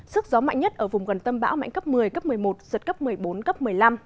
sức gió mạnh nhất ở vùng gần tâm bão mạnh cấp một mươi cấp một mươi một giật cấp một mươi bốn cấp một mươi năm